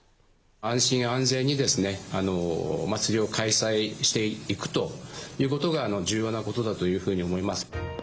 安心安全に祭りを開催していくということが重要なことだというふうに思います。